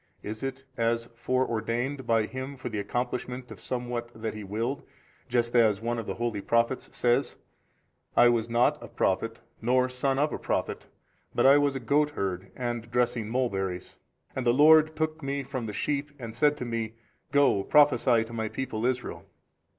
is it as fore ordained by Him for the accomplishment of somewhat that He willed, just as one of the holy Prophets says, I was not a prophet nor son of a prophet but I was a goatherd and dressing mulberries, and the Lord took me from the sheep and said to me, Go, prophesy to My people Israel?